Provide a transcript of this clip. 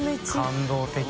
感動的。